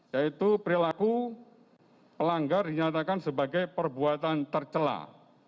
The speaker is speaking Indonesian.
yaitu perilaku pelanggar dinyatakan sebagai perbuatan tercelah